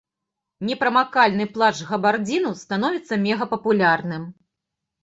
Непрамакальны плашч з габардзіну становіцца мегапапулярным.